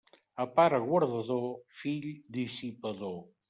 A pare guardador, fill dissipador.